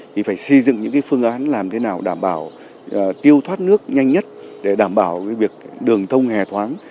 thì phải xây dựng những phương án làm thế nào đảm bảo tiêu thoát nước nhanh nhất để đảm bảo việc đường thông hề thoáng